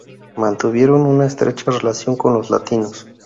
Mantuvieron una estrecha relación con los latinos.